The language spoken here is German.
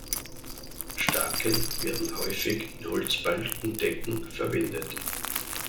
Staken werden häufig in Holzbalkendecken verwendet.